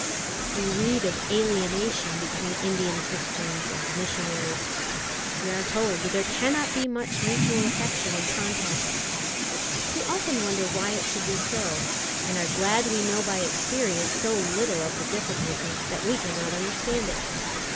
We read of alienation between Indian Christians and missionaries. We are told there cannot be much mutual affection and contact. We often wonder why it should be so, and are glad we know by experience so little of the difficulty, that we cannot understand it.